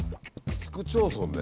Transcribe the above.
市区町村で？